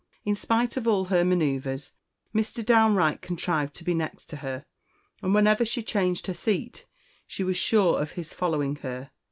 In spite of all her manoeuvres Mr. Downe Wright contrived to be next her, and whenever she changed her seat, she was sure of his following her.